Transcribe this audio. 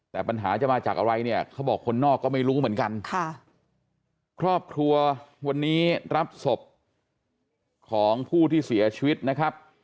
แต่ปัญหาจะมาจากอะไรเนี่ยเขาบอกคนนอกก็ไม่รู้เหมือนกันค่ะครอบครัววันนี้รับศพของผู้ที่เสียชีวิตนะครับ